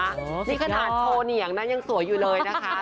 นี่ขนาดโชว์เหนียงนะยังสวยอยู่เลยนะคะ